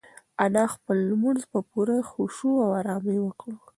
انا خپل لمونځ په پوره خشوع او ارامۍ وکړ.